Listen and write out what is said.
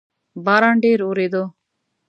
باران ډیر اوورېدو